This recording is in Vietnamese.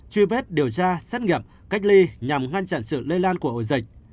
truy vết điều tra xét nghiệm cách ly nhằm ngăn chặn sự lây lan của ổ dịch